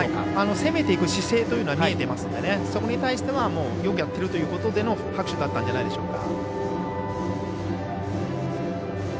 攻めていく姿勢というのは見えていますのでそこに対してはよくやってるということでの拍手だったんじゃないでしょうか。